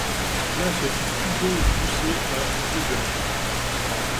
Place du Cubo Bousset à Jegun